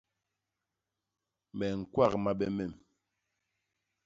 Me ñkwak mabe mem.